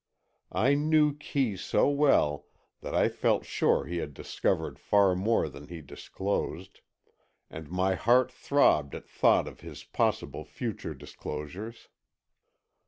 I knew Kee so well that I felt sure he had discovered far more than he disclosed, and my heart throbbed at thought of his possible future disclosures.